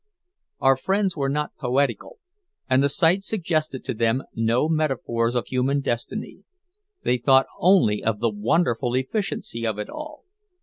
Our friends were not poetical, and the sight suggested to them no metaphors of human destiny; they thought only of the wonderful efficiency of it all.